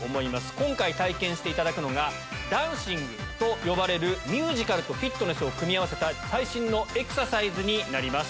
今回体験していただくのがＤａｎＳｉｎｇと呼ばれるミュージカルとフィットネスを組み合わせた最新のエクササイズになります。